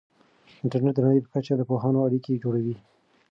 انټرنیټ د نړۍ په کچه د پوهانو اړیکې جوړوي.